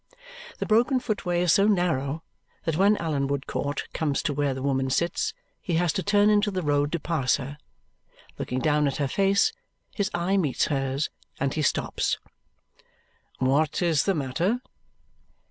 The broken footway is so narrow that when Allan Woodcourt comes to where the woman sits, he has to turn into the road to pass her. Looking down at her face, his eye meets hers, and he stops. "What is the matter?"